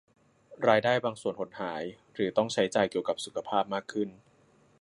รายได้บางส่วนหดหาย หรือต้องใช้จ่ายเกี่ยวกับสุขภาพมากขึ้น